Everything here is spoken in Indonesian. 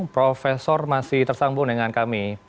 profesor masih tersambung dengan kami